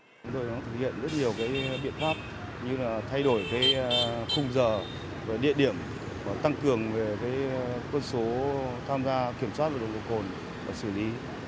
cảnh sát giao thông thường thực hiện rất nhiều biện pháp như thay đổi khung giờ địa điểm tăng cường cơ số tham gia kiểm soát nồng độ cồn và xử lý